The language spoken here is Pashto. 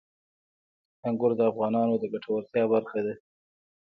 انګور د افغانانو د ګټورتیا برخه ده.